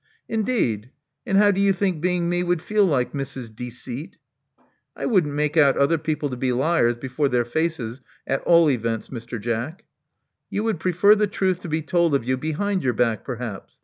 '* Indeed. And how do you think being me would feel like, Mrs. Deceit?" I wouldn't make out other people to be liars before their faces, at all events, Mr. Jack." •*You would prefer the truth to be told of you behind your back, perhaps.